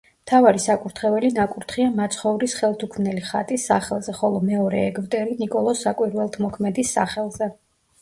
მთავარი საკურთხეველი ნაკურთხია მაცხოვრის ხელთუქმნელი ხატის სახელზე, ხოლო მეორე ეგვტერი ნიკოლოზ საკვირველთმოქმედის სახელზე.